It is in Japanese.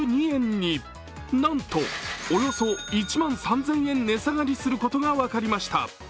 なんと、およそ１万３０００円値下がりすることが分かりました。